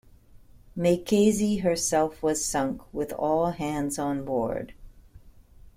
"Maikaze" herself was sunk with all hands on board.